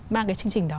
mang cái chương trình đó